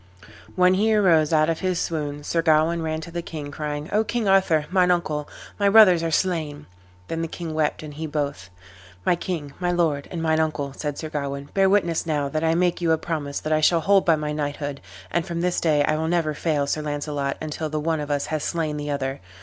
When he arose out of his swoon Sir Gawain ran to the king, crying, "O King Arthur, mine uncle, my brothers are slain." Then the king wept and he both. "My king, my lord, and mine uncle," said Sir Gawain, "bear witness now that I make you a promise that I shall hold by my knighthood, and from this day I will never fail Sir Launcelot until the one of us have slain the other.